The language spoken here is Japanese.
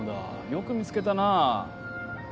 よく見つけたな